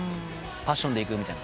パッションでいくみたいな。